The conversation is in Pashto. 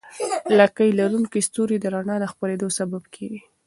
لکۍ لرونکي ستوري د رڼا د خپرېدو سبب کېږي.